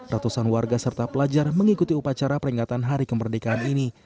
ratusan warga serta pelajar mengikuti upacara peringatan hari kemerdekaan ini